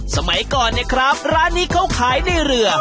สมัยก่อนเนี่ยครับร้านนี้เขาขายในเรือ